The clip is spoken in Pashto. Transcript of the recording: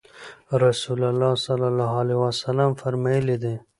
رسول الله صلی الله عليه وسلم فرمایلي دي: